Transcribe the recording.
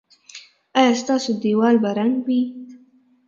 ایا ستاسو دیوال به رنګ وي؟